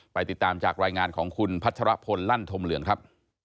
ติดตามจากรายงานของคุณพัชรพลลั่นธมเหลืองครับ